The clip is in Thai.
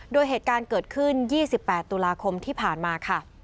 โดยเหตุการณ์เกิดขึ้น๒๘ตุลาคมที่ผ่านมาค่ะ